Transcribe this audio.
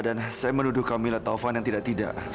dan saya menuduh camilla taufan yang tidak tidak